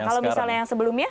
kalau misalnya yang sebelumnya